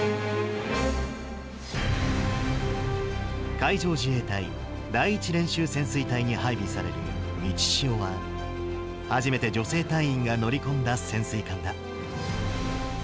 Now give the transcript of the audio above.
海上自衛隊第１練習潜水隊に配備されるみちしおは、初めて女性隊員が乗り込んだ潜水艦だ。